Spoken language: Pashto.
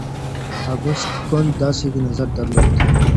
اګوست کنت داسې نظر درلود.